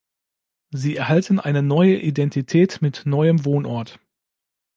Sie erhalten eine neue Identität mit neuem Wohnort.